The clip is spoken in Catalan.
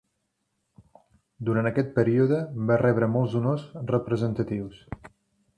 Durant aquest període, va rebre molts honors representatius.